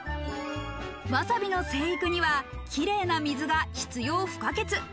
わさびの生育にはキレイな水が必要不可欠。